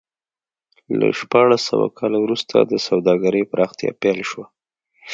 له شپاړس سوه کال وروسته د سوداګرۍ پراختیا پیل شو.